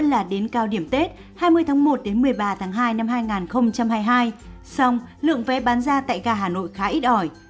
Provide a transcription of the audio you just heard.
từ ngày một mươi đến cao điểm tết hai mươi tháng một đến một mươi ba tháng hai năm hai nghìn hai mươi hai xong lượng vé bán ra tại gà hà nội khá ít ỏi